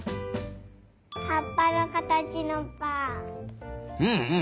はっぱのかたちのぱん。